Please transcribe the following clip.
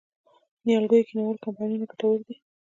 د نیالګیو کینول کمپاینونه ګټور دي؟